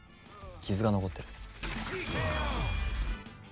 傷が残ってる。